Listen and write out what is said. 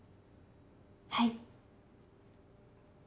はい。